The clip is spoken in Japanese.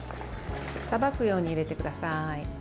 さばくように入れてください。